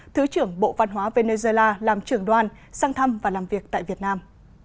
thứ trưởng bộ văn hóa venezuela làm trưởng đoàn sang thăm và làm việc tại việt nam